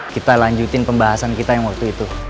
kita lanjutin pembahasan kita yang waktu itu